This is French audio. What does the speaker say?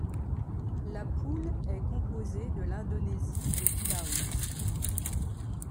La poule est composée de l'Indonésie et du Laos.